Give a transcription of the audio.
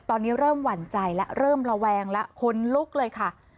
ตอนนี้เริ่มหวั่นใจแล้วเริ่มระแวงแล้วคนลุกเลยค่ะ